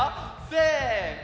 せの！